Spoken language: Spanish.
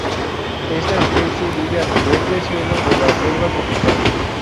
Esta especie vive a nivel de suelo de la selva tropical.